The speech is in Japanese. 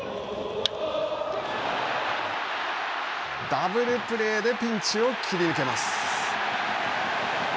ダブルプレーでピンチを切り抜けます。